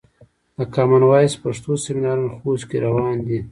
د کامن وایس پښتو سمینارونه خوست کې روان دي.